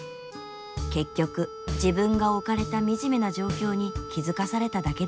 結局自分が置かれた惨めな状況に気付かされただけでした。